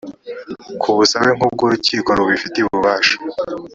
ku busabe nk ubwo urukiko rubifitiye ububasha